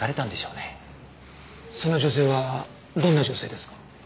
その女性はどんな女性ですか？